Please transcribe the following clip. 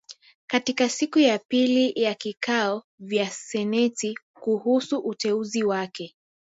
Katika siku ya pili ya vikao vya seneti kuhusu uteuzi wake